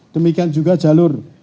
demikian juga jalur